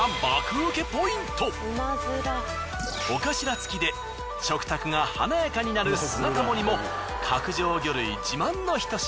尾頭付きで食卓が華やかになる姿盛りも角上魚類自慢のひと品。